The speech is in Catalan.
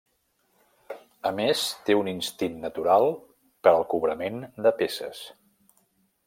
A més, té un instint natural per al cobrament de peces.